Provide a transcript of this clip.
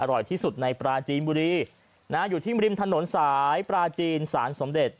อร่อยที่สุดในปราจีนบุรีอยู่ที่ริมถนนสายปลาจีนสารสมเด็จ